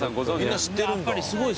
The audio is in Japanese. みんな知ってるんだ。